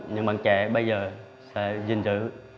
những bạn trẻ bây giờ sẽ dình dự